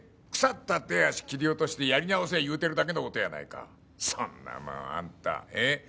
腐った手足切り落としてやり直せ言うてるだけのことやないかそんなもんあんたええ？